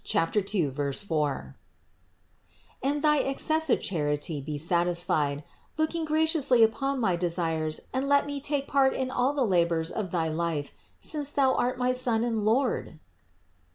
2, 4) and thy excessive chanty be satisfied, look graciously upon my desires and let me take part in all the labors of thy life, since Thou art my Son and Lord."